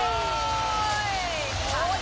โอ้โฮโชคมาก